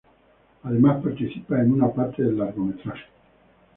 Además participó en una parte del largometraje.